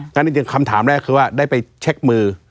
จริงคำถามแรกคือว่าได้ไปเช็คมือ